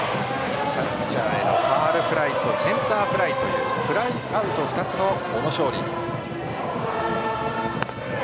キャッチャーへのファウルフライとセンターフライというフライアウト２つの小野勝利。